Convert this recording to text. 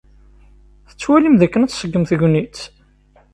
Tettwalim dakken ad tṣeggem tegnit?